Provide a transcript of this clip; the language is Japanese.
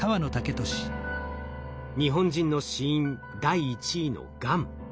日本人の死因第１位のがん。